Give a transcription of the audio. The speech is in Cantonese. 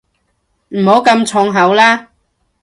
唔好咁重口啦